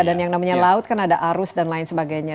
dan yang namanya laut kan ada arus dan lain sebagainya